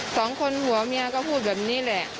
สองคนผัวเมียก็พูดแบบนี้แหละ